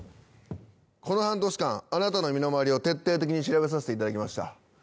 この半年間あなたの身の回りを徹底的に調べさせていただきました。